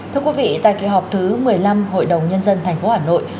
thưa quý vị tại kỳ họp thứ một mươi năm hội đồng nhân dân tp hà nội